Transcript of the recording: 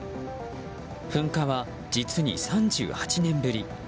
噴火は実に３８年ぶり。